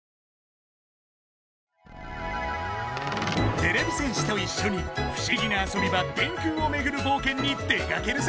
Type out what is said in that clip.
てれび戦士といっしょにふしぎなあそび場電空をめぐるぼうけんに出かけるぞ！